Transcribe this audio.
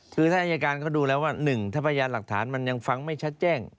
คือถ้าอายการเขาดูแล้วว่า๑ถ้าพยานหลักฐานมันยังฟังไม่ชัดแจ้ง